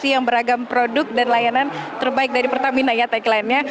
yang beragam produk dan layanan terbaik dari pertamina ya tagline nya